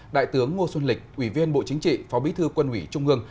đại tướng ngô xuân lịch ủy viên bộ chính trị phó bí thư quân ủy trung ương